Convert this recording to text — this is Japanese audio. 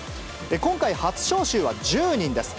今回、初招集は１０人です。